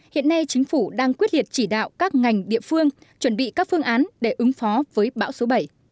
hiện nay chính phủ đang quyết liệt chỉ đạo các ngành địa phương chuẩn bị các phương án để ứng phó với bão số bảy